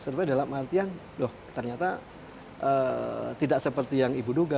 surprise dalam arti yang ternyata tidak seperti yang ibu duga